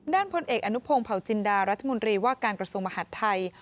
พลเอกอนุพงศ์เผาจินดารัฐมนตรีว่าการกระทรวงมหาดไทย